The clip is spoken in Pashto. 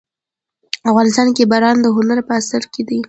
افغانستان کې باران د هنر په اثار کې دي.